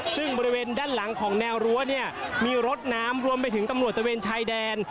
ซึ่งบริเวณด้านหลังของแนวรั้วเนี่ยมีรถน้ำรวมไปถึงตำรวจตะเวนชายแดน